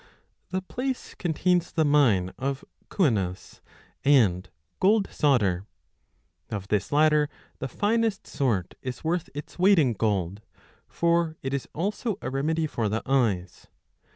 The place contains the mine of cyanos and gold solder. Of this latter the finest sort is worth its weight in gold, for it is also a remedy for the eyes.